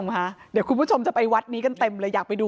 ไม่ได้ชื่อสอวอล์สิ